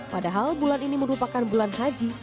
padahal bulan ini merupakan bulan haji